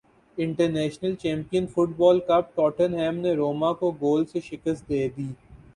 international champion football cup Tottenham نے Roma کو گول سے شکست دے دی